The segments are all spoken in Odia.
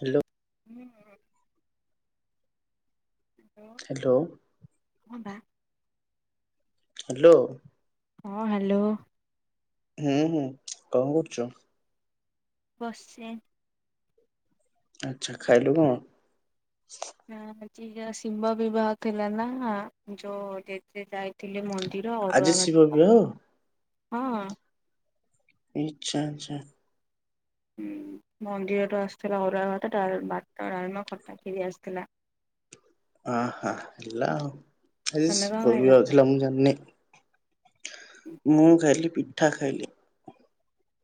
ହାଲୋ। ହୁଁ ହୁଁ। Hello hello. ହଁ ବା। ହ୍ୟାଲୋ। ହଁ ହ୍ୟାଲୋ। ହୁଁ ହୁଁ କଣ କରୁଛୁ? ବସିଛି। ଆଛା ଖାଇଲ କଣ? ନା ଆଜି ଯଉ ଶିବବିିବାହ ଥିଲା ନା ଆ ଯଉ ଡେ ସେ ଯାଇଥିଲେ ମନ୍ଦିର ଆଜି ଶିବ ଅରୁଆଭାତ ବିବାହ ହଁ। ଆଚ୍ଛା ଆଚ୍ଛା। ହୁଁ ମନ୍ଦିରରୁ ଆସିଥିଲା ଅରୁଆ ଭାତ, ଡାଲମ୍ ଭାତ, ଡାଲମା, ଖଟା, ଖିରି ଆସିଥିଲା। ଅ ହ ହେଲା ଆଉ ଆଜି ତମେ କଣ ଶିବ ଖାଇଲ? ବିବାହ ଅଛି। ଥିଲା ମୁଁ ଜାଣିନି ମୁଁ ଖାଲି ପିଠା ଖାଇଲି।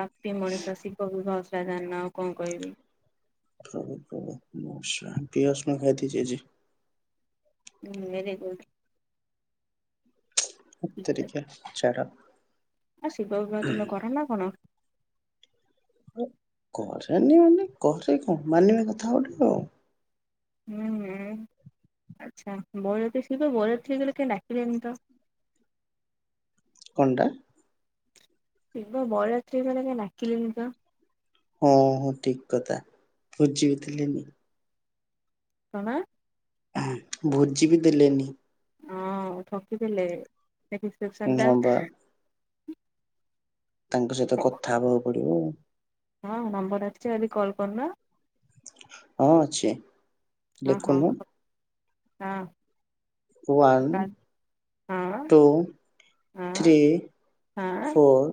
ପାପୀ ମଣିଷ ଶିବ ବିବାହ ସୁଦ୍ଧା ଜାଣିନ ଆଉ କଣ କହିବି। ଉଁ ହୁଁ ଓଁ ନମଃ ଶିବାୟ ପିଆଜ ରସୁଣ ଖାଇଦେଇଛି ଆଜି। ହୁଁ ଭେରି ଗୁଡ଼୍। ହେତ୍ ତେରିକା ଛାଡ। ଆଉ ଶିବ ବିିବାହ ତମେ କର ନା କରନି? କରେନି ମାନେ କରେ କଣ ମାନିବା କଥା ଗୋଟେ ଆଉ। ହୁଁ ହୁ ଆଚ୍ଛା ବଉର ତ ଶିବ ବାଉଳେ ତ ଗଲେ କାଇଁ ଡାକିଲେନି ତ? କଣ୍ ଟା? ଶିବ ବରଯାତ୍ରୀ ଗଲେ କାଇଁ ଡାକିଲେନି ତ? ହଁ ହୋ ଠିକ କଥା ବୁଝିବଥିଲେନି। କଣ? ଭୋଜି ବି ଦେଲେନି। ହଁ ଠକିଦେଲେ ସେ ରିସେପ୍ ସନ୍ ଟା ହଁ ବା ତାଙ୍କ ସହିତ ଟା କଥା ହବାକୁ ପଡିବ ଆଉ। ହଁ ନମ୍ବର ରଖିଚ ଯଦି କଲ କରୁନ। ହଁ ଅଛି। ହଁ ହଁ ଲେଖୁନୁ ହଁ। ୱନ୍ ହଁ ହଁ ଟୁ ହଁ ଥ୍ରୀ ହଁ ଫୋର୍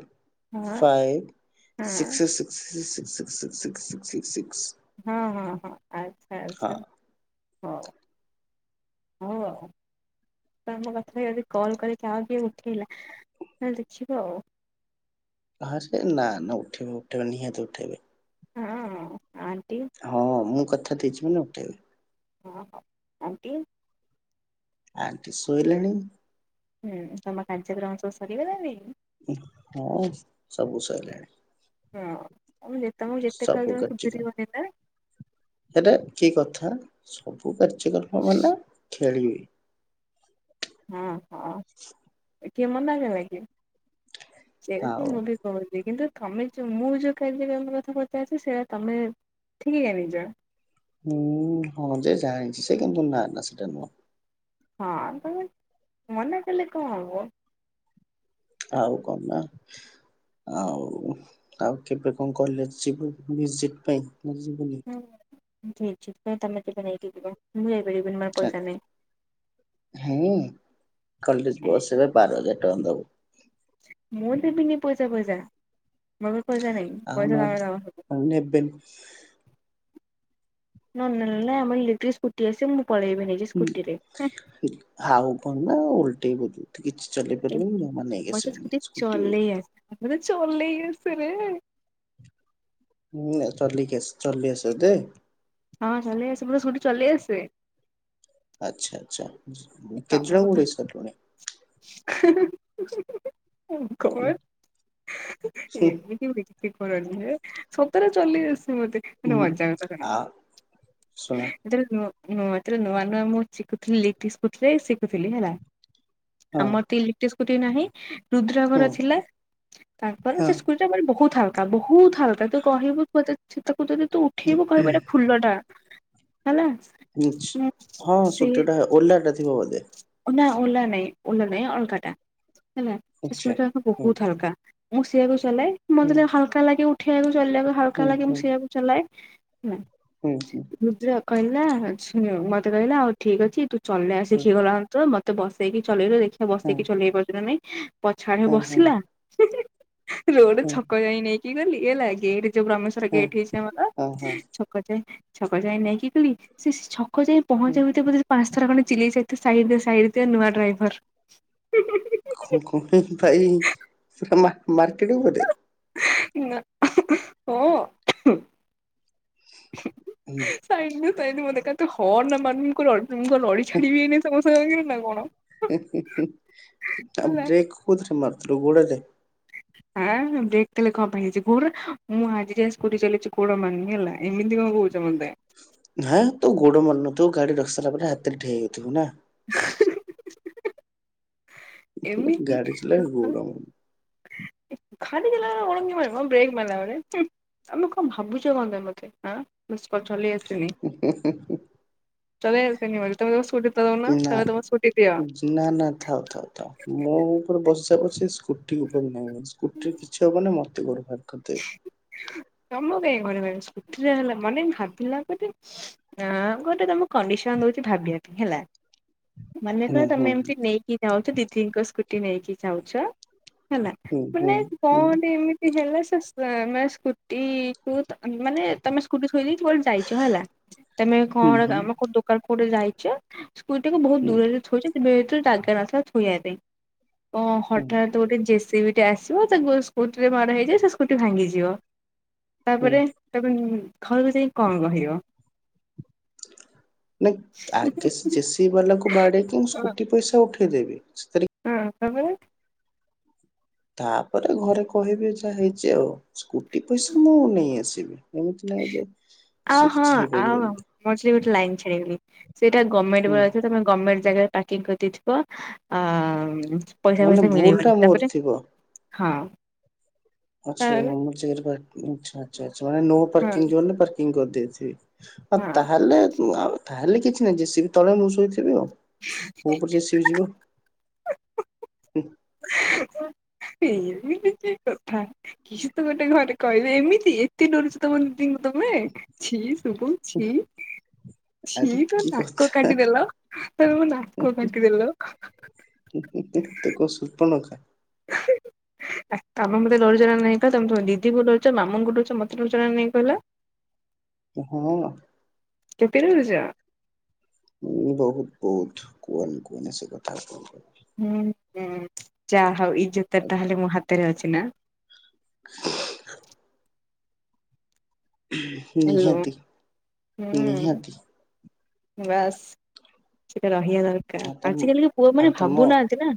ହଁ। ଫାଇଭ ହଁ ସିକ୍ସ ସିକ ସି ସି ସି ସି ସିକ୍ସ। ହଁ ହଁ ହଁ ଆଚ୍ଛା ଆଚ୍ଛା। [inaudible] କୋଉ ବାର। ଆମ କଥା ଯି କଲ୍ କରିକି ଆ କିଏ ଉଠେଇଲା ତାହେଲେ ଦେଖିବା ଆଉ। ଫାଷ୍ଟ ନା ନା ଉଠେଇବେ ଉଠେଇବେ ନିହାତି ଉଠେଇବେ। ହଁ ଆଣ୍ଟି। ହଁ ମୁଁ କଥା ଦେଇଛିି ମାନେ ଉଠେଇବି। ହଁ ହଉ ଆଣ୍ଟି। ଆଣ୍ଟି ଶୋଇଲେଣି। ହୁଁ ତମ କାର୍ଯ୍ୟକ୍ରମ ସବୁ ସରିଗଲାନି। ହଁ ସବୁ ସଇଲାଣି। ହଁଁ ତାମୁକୁ ଯେତେ କହିଲେ ତମେ ସୁଧୁରିବନି ନା। ହେରା କି କଥା ସବୁ କାର୍ଯ୍ୟକ୍ରମ ମାନେ ଖେଳିବି। ହଁ ହଁ କିଏ ମନାକଲା କିଏ ସେ ଆଉ ମୁଦି। କରୁଚି କିନ୍ତୁ ତମେ ଯୋଉ ମୁଁ ଯୋଉ କାର୍ଯ୍ୟକ୍ରମ କଥା ପଚାରୁଛି ସେଇରା ତମେ ଠିକ୍ ଜାଣିଚ। ହୁଁ ହଁ ଯେ ଜାଣିଛି ସେ କିନ୍ତୁ ନା ନା ସେଟା ନୁହଁ। ହଁ ତମେ ମନା କଲେ କଣ ହବ। ଆଉ କଣ ନା? ଆଉ ଆଉ କେବେ କଣ କଲେଜେ ଯିବୁ ଭିଜିଟ୍ ପାଇଁ ଯିବୁନି? ସେଇଥିପାଇଁ ତମେ ଯିବ ନେଇକି ଯିବ ମୁଁ ଯାଇପାରିବିନି ମୋର ପଇସା ନାଇଁ। ହୁଁ କଲେଜେ ବସ୍ ଏବେ ବାର ହଜାର ଟଙ୍କା ଦବୁ। ମୁଁ ଦେବିନି ପଇସା ଫଇସା। ମୋ କତିର ପଇସା ନାଇଁ ଆଉ ନ ପଇସା ଲାଗେଇ ଦବ ସବୁ। ନେବେନି ନ ନେଲେନାହିଁ ଆମ ଲିଟିରେ ସ୍କୁୁଟି ଆଛି ମୁଁ ପଳେଇମି ନେଇକି। ହୁଁ ଆଉ କଣ ନା ଓଲଟେଇକି କରିବୁ। କିଛି ଚଲେଇ ପାରିବେନେହଁ ମୁଁ ମାନେ ନେଇକି ଆସିବେନି ସ୍କୁଟିହୋଉ। ଏଥିରେ ଚଲେଇକି ଆସିପାରିବେ। ହୁଁ ଚଲିକି ଆସଚି ଚଲେ ଆସ ଦେ ହଁ ଚଲେଇ ଆସେ ପୁରା ସ୍କୁଟି ଚଲେଇ ଆସେ। ଆଚ୍ଛା ଆଚ୍ଛା ତମକୁ କେତେଜଣଙ୍କୁ ତ ଉଡେଇ ସାରିଲୁଣି? କଣ ଏବି। ହୁଁ, ହୁଁ, କିମିତି କିଛି କରେନେହିଁ ବେ ସତରେ ଚଲେଇ ଆସେ ମତେ। [inaudible] ହୁଁ, ଆ ଶୁଣ ଯେତେଵେଳେ ନୂଆ ନୂଆ ମୁଁ ଶିଖୁଥିଲି ଲିଟିଲି ସ୍କୁଟିରେ ଶିଖୁଥିଲି ହେଲା। ହଁ ଆମର ତ ଇଲେକ୍ଟ୍ରିକ୍ ସ୍କୁଟି ନାହିଁ ରୁଦ୍ରମାମୁଁ ହଁ ଘର ଥିଲା ତାଙ୍କର ହଁ ସେ ସ୍କୁଟ୍ ତ ବହୁତ୍ ହାଲକା ବହୁତ୍ ହାଲକା ତୁ କହିବୁୁପେତେ ସେ ତାକୁ ଯଦି ତୁ ଉଠେଇବୁ କହିବୁ ଏଇଟା ଫୁଲ ଟା ହେଲା। ହଁ ସେ ସ୍କୁଟି ଟା ଓଲା ଟା ଥିବ ବୋଧେ। ନା ଓଲା ନାଇଁ ଓଲା ନାଇଁ ଅଲଗ ଟା ହେଲା ସେ ଆଚ୍ଛା ସ୍କୁ ହୁଁ ବହୁତ ହାଲକା। ମୁଶେଇଆକୁ ଚଲାଏ ହୁଁ ମତେ ହାଲକା ଲାଗେ ଉଠେଇବାକୁ ଚଲେଇବାକୁ ହୁଁ ହାଲକା ଲାଗେ ମୁଶେଇଆକୁ ଚଲାଏ। ହୁଁ ହୁଁ। ରୁଦ୍ରା କହିଲା ଝିଅ ମତେ କହିଲା ଆଉ ଠିକ୍ ଅଛି ତୁ ଚଲା ଶିଖିଗଲାଣୁ ତ ମ ତ ବସେଇକି ଚଲେଇଲ ଦେଖିବା ବସେଇକି ଚଲେଇ ପାରୁଚିନା ନାଇଁ ପଛା ଆଡେ ବସିଲା। ରୋଡ ଛକ ଯାଇ ନେଇକି ଗଲି ଗେଟ ଯୋଉ ବ୍ରମସ୍। ପୁରା ଗେଟ ହିସାବର ଛକ ଯାଏ ଛକ ଯାଏ ନେଇକି ଗଲି ସେ ଛକ ଯାଏ। ପହଁଞ୍ଚିବା ଭିତରେ ବୋଧେ ପାଞ୍ଚଥର ଖଣ୍ଡେ ଚିଲେଇ ସାଇଥିବ ସାଇଟ୍ ଦିଅ ସାଇଟ୍ ଦିଅ ନୂଆ ଡ୍ରାଇଭର। କଣ କରିବି ଭାଇ ସେତ ମା ମାର୍କେଟିଙ୍ଗ୍ ପଟେ। ନା ହଁ। ହୁଁ। ସାଇଟି ଦିଅ ସାଇଟି ଦିଅ ମତେ ଦେଖା ହର୍ନ ମାରୁନୁ ମୁ କଣ ରଡ଼ି ଛାଡିବି ଏଇନା ତମସାଙ୍ଗରେ ନା କଣ। ହେ ହେ ହେ ଆଉ ହେଲା ବ୍ରେକ୍ କୋଉଥିରେ ମାରୁଥିଲ ଗୋଡ଼ରେ? ଆଁ ବ୍ରେକ୍ ତାହାଲେ କଣ ପାଇଁ ହେଇଛି କହୁନ ମୁଁ ଆଜି ଯାଏ ସ୍କୁଟି ଚଲେଚି ଗୋଡ ମାରିନି ହେଲା ଏମିତି କଣ କହୁଚୁ। [inaudible] ହଁ ତୁ ଗୋଡ ମାରୁ ନଥିବୁ ଗାଡି ରଖିସରିଲା ପରେ ହାତରେ ଠିଆହେଇପଡ଼ିଥିବୁ ନାଁ। [inaudible] ଏମିତି ଗାଡ଼ି ଚଲେଇବା ଗୋଡ଼ [unintelligible] ଆମକୁ କଣ ଭାବୁଚ କଣ ମତେ ଚଲେଇ ଆସିନି [inaudible] ଚଲେଇ ଆସିନି ବୋଧେ ତମେ ତମ ସ୍କୁଟି ଟା ଦୋଉନ ନା ତମେ ତମ ସ୍କୁଟି ଦିଅ ନା ନା ଥାଉ ଥାଉ ଥାଉ ମୋ ଉପରେ ବସିଯା ପଛେ ସ୍କୁଟି ଉପରେ ନାଇ ବସ ସ୍କୁଟରେ କିଛି ହବନି ମୋତେ ଘରୁ ବାହାର କରିଦେବେ। ତମ ପାଇଁ ଘରେ ସ୍କୁଟିରେ ହେଲା ମନେ ଭାବିଲା ପରେ ନା ଗୋଟେ ତମକୁ କଣ୍ଡିସନ ଦୋଉଚି ଭାବିବା ପାଇଁ ହେଲା ମନେ କ ହୁଁ ହୁଁ ତମେ ଏମିତି ନେଇକି ଯାଉଛ ଦିଦିଙ୍କ ସ୍କୁଟି ନେଇକି ଯାଉଛ ହେଲା ହୁଁ ମାନେ ହୁଁ କଣ ହୁଁ ଗୋଟେ ଏମି ହେଲେ ମାନେ ସ୍କୁଟିକୁ ମାନେ ତମେ ସ୍କୁଟି ଥୋଇ କୁଆଡେ ଯାଇଚ ହେଲା ତମେ ହୁଁ କଣ ହୁଁ କାମ କୋଉ ଦୋକାନ କୁ ଗୋଟେ ଯାଇଚ ସ୍କୁଟିକୁ ବହୁତ ହୁଁ ଦୂରରେ ଥୋଇଚି ସେ ଭିତରେ ଜାଗା ନଥିବ ଥୋଇବା ପାଇଁ ଓ ହୁଁ ହଠାଥ ଗୋଟେ ଜେସିବି ଟେ ଆସିବ ତାକୁ ସ୍କୁଟିରେ ମାଡ଼ ହେଇଯିବ ସେ ଶୋ ଫୁଟି ଭାଙ୍ଗିଯିବ ହୁଁ। ତାପରେ ତାପରେ ଘରକୁ ଯାଇ କଣ କହିବ? ନାଇଁ ଆଗେ ଜେସିିବି ବାଲାକୁ ବାଡେଇକି ମୁଁ ସ୍କୁଟି ପଇସା ଉଠେଇଦେବି ସେ ହଁ ତାପରେ ତାପରେ ଘରେ କହିବି ଯାହା ହେଇଚି ଆଉ। ସ୍କୁଟି ପଇସା ମୁଁ ନେଇ ଆସିବି ଏମିତି ନାଇଁ ଯେ ଆଉ ସେ ହଁ କିଛି ଆଉ ହେଇପାରିବନି ମୁଁ ମଝିରେ ଗୋଟେ ଲାଇନ୍ ଛାଡ଼ିଗଲି ସେଇଟା ଗଭରମେଣ୍ଟ ହୁଁ ପରା ଥିବ ଗଭରମେଣ୍ଟ ଜାଗାରେ ପ୍ୟାକିଂ କରିଦେଇଥିବ ଆଉ ପଇସା ମାନେ ଫଇସା ଭୁଲ ଟା ମିଳିବନି ମୋର ତାପରେ? ଥିବ ହଁ। [unintelligible] ଆଚ୍ଛା ତାପରେ ଆଚ୍ଛା ମାନେ ନୋ ହଁ ପାର୍କିଂ ଜୋନ୍ ପାର୍କିଂ କରିଦେଇଥିବେ। ଆଉ ହଁ ତାହେଲେ ଆଉ ତାହେଲେ କିଛି ନାହିଁ ଜେସିବି ତଳେ ମୁଁ ଶୋଇଥିବି ଆଉ। ହଁ। କୋଉ ଉପରେ ଜେସିବି ଯିବ। ସେଇଆ ବି କି କଥା। କିଛି ତ ଗୋଟେ ଘରେ କହିବେ ଏମିତି ଏତେ ଡରୁଛ ତମ ଦିଦିଙ୍କୁ ତମେ ଛି ସୁବୁ। ଛି। ଛି ଆରେ ତମେ କି ନାକ କଥା କାଟିଦେଲ ତମେ ମୋ ନାକ କାଟିଦେଲ। [unintelligible] କଣ ସୂପନେଖା। ତମେ ମତେ ଡରୁଚ ନାଁ ନାଇଁ କହିଲ ତମେ ତମ ଦିଦି ଡରୁଚ ମାମୁଁଙ୍କୁଡରୁଛ ମତେ ଡରୁଚ ନା ନାଇଁ କହିଲ। ହଁ। କେତେ ନଉଛ? ମୁଁ ବହୁତ ବହୁତ କୁହନି କୁହନି ସେ କଥା। ହୁଁ ଯାହା ହୋଉ ଏଇ ଜୋତା ଟା ତାହେଲେ ମୋ ହାତରେ ଅଛି ନା। ହଁ। ହେଲୋ ନିହାତି ହୁଁ ନିହାତି। ବାସ୍ ସେଇଟା ରହିବା ଦରକାର ଆଉ ତମ ଆଜିକାଲିିକା ପୁଅ ଆଉ ମାନେ ତମ ଭାବୁନାହାଁନ୍ତି ନା।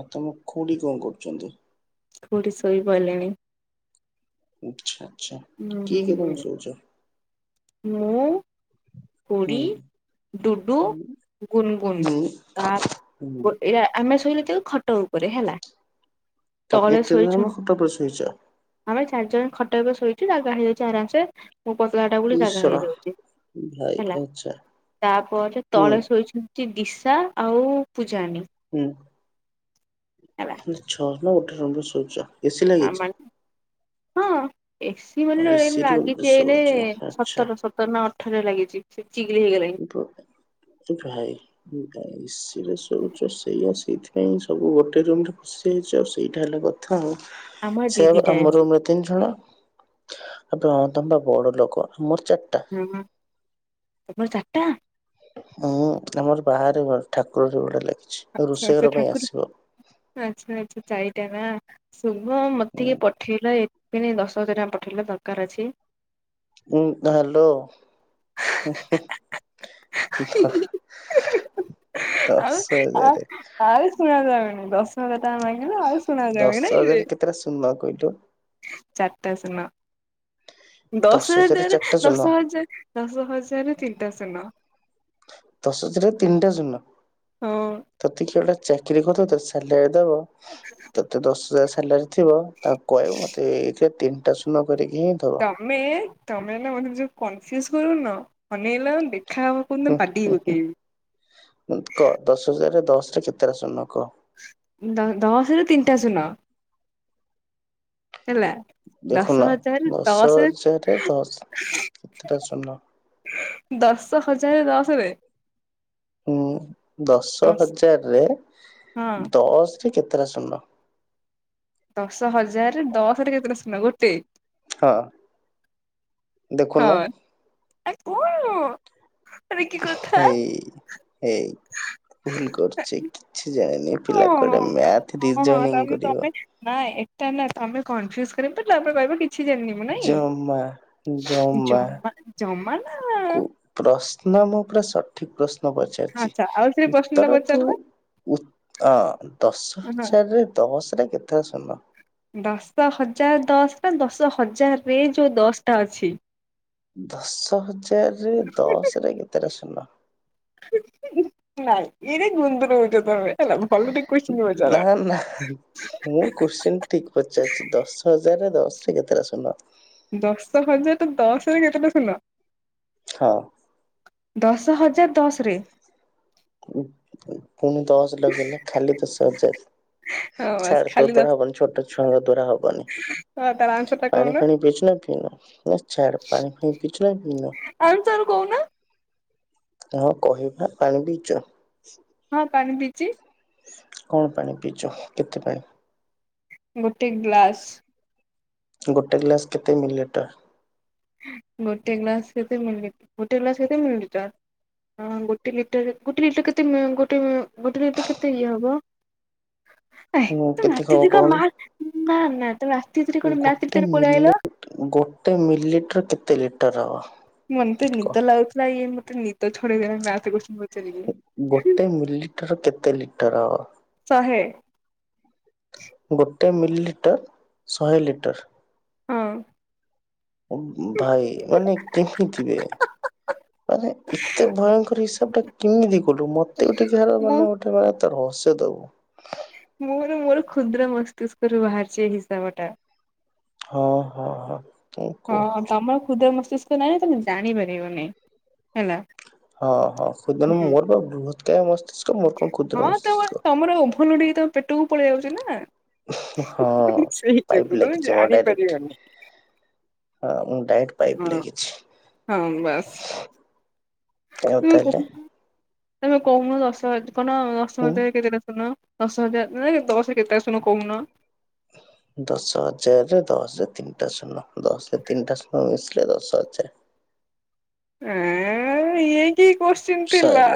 ଆଉ ତମ ଖୁଡି କଣ କରୁଛନ୍ତି? ଖୁଡି ଶୋଇ ପଇଲେଣି। ଆଚ୍ଛା ଆଚ୍ଛା ହୁଁ କିଏ କିଏ ତମେ ଶୋଉଛ? ମୁଁ। ଖୁଡୀ, ହୁଁ ଡୁଡୁ, ହୁଁ ଗୁନ୍ ଗୁନ୍ ହୁଁ ତାପରେ ଏଇଆ ଆମେ ଶୋଇଲେ ଯେତେବଳୁ ଖଟ ଉପରେ ହେଲା ତମେ ତଳେ ଏତେ ଜଣ ଶୋଇଛନ ତାପରେ ଶୋଇଛ? ଆମେ ଚାରିଜଣ ଖଟ ଉପରେ ଶୋଇଛୁ ଜାଗା ହେଇଯାଉଛି ଆରାମସ ମୁଁ ପତଳା ଟା ବୋଲି ଜାଗା ଈଶ୍ୱର ହେଇ ଯାଉଛି। ଭାଇ ହେଲା ଆଚ୍ଛା ତାପରେ ହୁଁ ତଳେ ଶୋଇଛନ୍ତି ଦିଶା ଆଉ ପୂଜାନୀ ହୁଁ ହେଲା ଛଅ ନା ଗୋଟେ ରର ଶଉଛ [unintelligible] ଆମର ହଁ ଏକ୍ସ। ହି ମାନେ ଏ ଏସି ରୁମରେ ଲାଗିଛି ଏଇନେ ଶୋଉଛ ଆଚ୍ଛା ସତର ସତର ନା ଅଠରରେ ଲାଗିଛି ସେ ଚିକ ଚିକ ହେଇଗଲାଣି। ଏପାଇ [unintelligible] ଏସିରେ ଶୋଉଛ ସେଇଆ ସେଇଥିପାଇଁ ସବୁ ଗୋଟେ ରୁମ୍ ରେ ଶୋଉଚ ସେଇଟା ହେଲା କଥା ଆଉ ଆମର ସେଇଆ ପା ଦିଦିଟା ଏସି ଆମର ତିନି ଜଣ ଆବେ ହଁ ତମେ ବା ବଡ ଲୋକ ଆମର ଚାରିଟା। ହୁଁ ହୁଁ ତମର ଚାରିଟା? ହୁଁ ଆମର ବାହାରେ ଘର ଠାକୁର ଘରେ ଗୋଟେ ଲାଗିଛି। ଆଛା ରୋଷେଇ ଆଛା ଘର ପାଇଁ ଠାକୁର ଆସିବ ଆଚ୍ଛା ଆଚ୍ଛା ଚାରିଟା ନା? ଶୁଭ ମତେ ଟିକେ ପଠେଇଲ ଏଥିଖିଣି ଦଶ ହଜାର ଟଙ୍କା ପଠେଇଲ ଦରକାର ଅଛି। ଉଁ ହ୍ୟାଲୋ ଉଁ ହୁଁ। ଧ ଆଉ ଦଶ ଆଉ ହଜାରେ ଆଉ ଶୁଣା ଯାଉନି ଦଶହଜାର ଟଙ୍କା ମାଗିଲେ ଆଉ ଶୁଣା ଯାଉନି ଦଶ ହଜାର ନାଇଁକିରେ। କେତେଟା ଶୁନ କହିଲୁ? ଚାରିଟା ଶୂନ ଦଶ ହଜାର ଟଙ୍କାରେ ଦଶ ହଜାର ଦଶ ହଜାର ରେ ତିନିଟା ଶୁନ। ଦଶ ହଜାରରେ ତିନିଟା ଶୂନ ହଁ। ତତେ କିଏ ଗୋଟା ଚାକିରୀ କରି ଦବ ତତେ ସାଲାରୀ ଦବ। ତତେ ଦଶ ହଜାର ସାଲାରୀ ଥିବ ତାକୁ କହିବୁ ମତେ ଏଇଥିରେ ତିନିଟା ଶୂନ କରିକି ହିଁ ଦବ। ତମେ ତମେ ନା ମାନେ ଯଉ କନଫ୍ୟୁଜ କରୁନ ଅନେଇଲ ଦେଖା ହବ ହୁଁ କୋଉଦିନ ବାଡେଇ ପକେଇବି। କହ ଦଶ ହଜାରରେ ଦଶ ରେ କେତେଟା ଶୁନ କହ? ଦ ଦଶରେ ତିନିଟା ଶୁନ। ହେଲା ଦେଖୁନ ଦଶ ହଜାରରେ ଦଶ ଦଶରେ ହଜାରରେ ଦଶ କେତେଟା ଶୂନ ଦଶ ହଜାର ଦଶ ରେ ହୁଁ ଦଶ ହଜାରରେ ହଁ ଦଶ ରେ କେତେଟା ଶୂନ? ଦଶ ହଜାର ଦଶରେ କେତେଟା ଶୂନ ଗୋଟେ। ହଁ। ହଁ ଦେଖୁନ ଆ କଣ? ଆରେ କି କଥା ହେଇ ହେଇ ଭୁଲ କରୁଛି କିଛି ଜାଣିନି ପିଲା ହଁ କୁଆଡ଼େ ମ୍ୟାଥ ରିଜୋନିଙ୍ଗ କରିବ। ନାଇଁ। ନା ନା ତମେ କନଫ୍ୟୁଜ କରିବତ ତାପରେ କହିବ ଟି କିଛି ଜାଣିନି ମୁୁ ଜମା ନାଇଁ ଜମା ଜମା ନା କୁ ପ୍ରଶ୍ନ ମୁଁ ପୁରା ସଠିକ ପ୍ରଶ୍ନ ପଚାରିଛି ଆଚ୍ଛା ଆଉ ଥରେ ପ୍ରଶ୍ନଟା ଉତ୍ତର ତୁ ପଚାରିଲ ଉ ହ ଦଶ ହଁ ହଜାରରେ ଦଶରେ କେତେଟା ଶୁନ? ଦଶ ହଜାର ଦଶ ନା ଦଶ ହଜାର ରେ ଯୋଉ ଦଶଟା ଅଛି? ଦଶ ହଜାରରେ ଦଶରେ କେତେଟା ଶୂନ? ନାଇଁ ଏରା ଗୁନ୍ଧରଉଚ ତମେ ହେଲା ଭଲରେ କୋଶଚୀନ ପଚାର। [inaudible] ମୁଁ କୁଶ୍ଚିନ ଠିକ ପଚାରିଛି ଦଶ ହଜାରରେ ଦଶରେ କେତେଟା ଶୁନ? ଦଶ ହଜାରରେ ଦଶରେ କେତେଟା ଶୁନ? ହଁ। ଦଶ ହଜାର ଦଶରେ ପୁଣି ଦଶ ଲଗେଇଲେ ଖାଲି ଦଶ ହଜାର। ହଁ ବାସ୍ ଛାଡ଼ ତୋର ଖାଲି ଦଶ ଦ୍ୱାରା ହବନି ଛୋଟ ଛୁଆ ତୋ ଦ୍ୱାରା ହବନି। ହଁ ତାର ଆନ୍ସର ଟା ପାଣି କହୁନ ଫାଣି ପିଚଛୁ ନା ପିଇନୁ ଛାଡ଼ ପାଣି ଫାଣି ପିଇଚୁ ନା ପିଇନୁ। ଆନସାର କହୁନ। ହଁ କହିବା ପାଣି ପିଇଛ ହଁ ପାଣି ପିଇଛି। କଣ ପାଣି ପିଇଛ? କେତେ ପାଣି? ଗୋଟେ ଗ୍ଲାସ। ଗୋଟେ ଗ୍ଲାସ କେତେ ମିଲିଲିଟର? ଗୋଟେ ଗ୍ଲାସ କେତେ ମିିଲ ଗୋଟେ ଗ୍ଲାସ କେତେ ମିଳିଲିଟର? ହଁ ଗୋଟେ ଲିଟର ଗୋଟେ ଲିଟର କେତେ ଗୋଟେ ଗୋଟେ ଲିଟର କେତେ ଇଏ ହେବ? [inaudible] ମୁଁ କେତେ କଣ କଲ ମାର ନା ନା ତମେ ରାତିତିରେ କୁଆଡେ ଗୋଟେ ରାତିତିରେ ପଳେଇ ଆଇଲ ମିଲି ଗୋଟେ ମିଲିଲିଟର କେତେ ଲିଟର ହବ? ମତେ କହ? ନିଦ ଲାଗୁଥିଲା ଇଏ ମତେ ନିଦ ଛଡେଇଦେଲା ନାକୁ ଗୋଟେ ମିଲଲିଟର କେତେ ଲିଟର ହବ? ଶହେ। ଗୋଟେ ମିଲିଲିଟର ଶହେ ଲିଟର। ହଁ। ଭାଇ ମାନେ କେମିତି ବେ ମାନେ ଏତେ ଭୟଙ୍କର ହିସାବଟା କେମିତି କଲୁ ମତେ ଏ ଟିକ ମୁଁ ମାନେ ଗୋଟେ ମାନେ ରହସ୍ୟ ଦବୁ। ମୋର ମୋର କ୍ଷୁଦ୍ର ମସ୍ତିଷ୍କରୁ ବାହାରିଛି ଏଇ ହିସାବ ଟା। ହଁ ହଁ ହଁ କଣ [inaudible] କହୁ ହଁ ତମ କ୍ଷୁଦ୍ର ମସ୍ତିଷ୍କ ନାହିଁ ନାହିଁ ତମେ ଜାଣିପାରିବନି ହେଲା। ହଁ ହଁ ହୁଁ। [unintelligible] କ୍ଷୁଦ୍ର ହଁ ତମ ମସ୍ତିଷ୍କ ତମର ଓଭର ଲୋଡିଙ୍ଗ ହେଇକି ତମ ପେଟକୁ ପଳେଇ ଯାଉଛି ନା? ହଁ ସେଇ ଯୋଗୁ ପାଇପ ତମେ ଲାଗିଛି ମୋର ଡାଇରେକ୍ଟ। ଜାଣିପାରିବନି। ହଁ ମୁଁ ଡାଇରେଟ ପାଇପ ହଁ ଲାଗିଛି। ହଁ ବାସ୍ ଆଉ ତମେ ତାହେଲେ କହୁନ ତମେ କହୁନୁ ଦଶ କଣ ଦଶ ହୁଁ। ମତ କେତେତା ଶୁନ? ଦଶ ହଜାର ନାଇ ଦଶରେ କେତେ ଶୁଣୁ କହୁନ? ଦଶ ହଜାରରେ ଦଶରେ ତିନିଟା ଶୂନ ଦଶରେ ତିନିଟା ଶୂନ ମିଶିଲେ ଦଶ ହଜାର। ଆ ଇଏ କି କଉଚୀନ୍ ଥିଲା?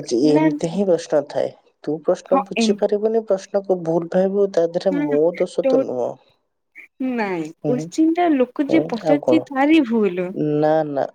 ଆ ନା ଏମିତି ହିଁ ପ୍ରଶ୍ନ ଥାଏ ତୁ ହଁ ପ୍ରଶ୍ନ ଏମ୍ ବୁଝି ପାରିବୁନି ପ୍ରଶ୍ନ ଭୁଲ ଭାଇିବୁ ତା ଦେହରେ ମୋ ଦୋଷ ହଁ। ତ ନୁହଁ। ନାଇଁ ହ କୋଶ୍ଚିନ୍ ଟା ଲୋକ ଯିଏ ହଁ ଆଉ କଣ ପଚାରିଛି ତାରି ଭୁଲ। ନା ନା